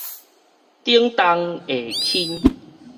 頂重下輕